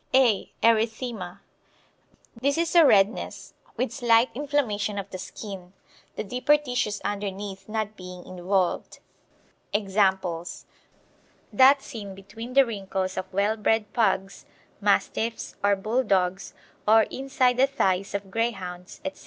(a) Erythema. This is a redness, with slight inflammation of the skin, the deeper tissues underneath not being involved. Examples That seen between the wrinkles of well bred Pugs, Mastiffs, or Bulldogs, or inside the thighs of Greyhounds, etc.